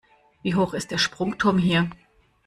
Wie hoch ist der Sprungturm hier?